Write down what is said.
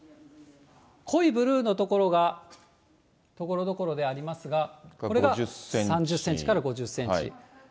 濃いブルーの所がところどころでありますが、これが３０センチから５０センチ。